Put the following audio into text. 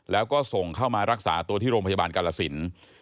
แล้วก็ส่งเข้ามารักษาตัวที่โรงพยาบาลกาลสิน